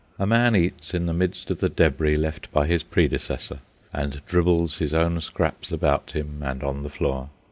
A man eats in the midst of the débris left by his predecessor, and dribbles his own scraps about him and on the floor.